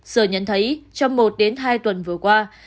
sở nhận thấy trong một hai tuần vừa qua